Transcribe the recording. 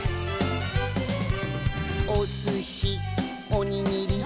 「お寿司おにぎり」「」